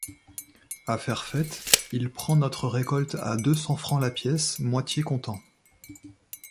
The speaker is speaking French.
Affaire faite, il prend notre récolte à deux cents francs la pièce, moitié comptant.